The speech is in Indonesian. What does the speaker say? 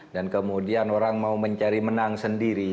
dan kemudian orang mau mencari menang sendiri